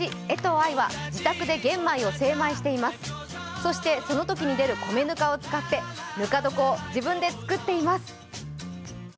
そしてそのときに出る米ぬかを使ってぬか床を自分で作っています。